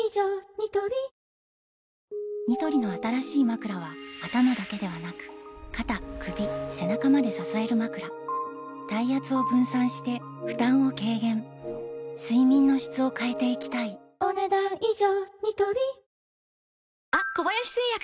ニトリニトリの新しいまくらは頭だけではなく肩・首・背中まで支えるまくら体圧を分散して負担を軽減睡眠の質を変えていきたいお、ねだん以上。